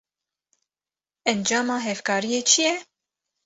Encama hevkariyê çi ye?